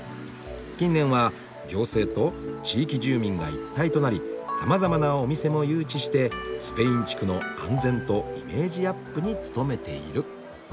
「近年は行政と地域住民が一体となりさまざまなお店も誘致してスペイン地区の安全とイメージアップに努めている」。